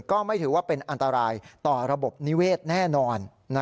ก็ไม่ถือว่าเป็นอันตรายต่อระบบนิเวศแน่นอน